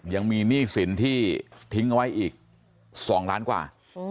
ยังมีหนี้สินที่ทิ้งไว้อีก๒ล้านกว่า